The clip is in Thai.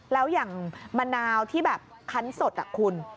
แล้วอย่างมะนาวที่แบบคันสดคุณ